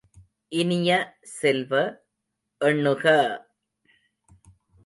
இனிய செல்வ, எண்ணுக!